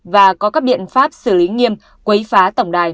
và có các biện pháp xử lý nghiêm quấy phá tổng đài một trăm một mươi bốn